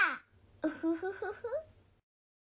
ウフフフフ。